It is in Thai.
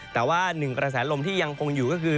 แต่ว่าหนึ่งกระแสลมที่ยังคงอยู่ก็คือ